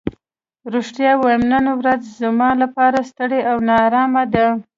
رښتیا ووایم نن ورځ زما لپاره ستړې او نا ارامه وه.